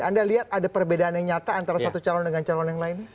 anda lihat ada perbedaan yang nyata antara satu calon dengan calon yang lain